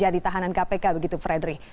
ditahanan kpk begitu fredry